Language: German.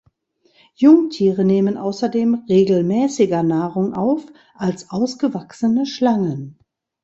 Jungtiere nehmen außerdem regelmäßiger Nahrung auf als ausgewachsene Schlangen.